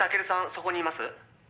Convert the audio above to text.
そこにいます？」